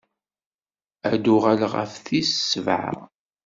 Ad d-uɣaleɣ ɣef tis sebɛa.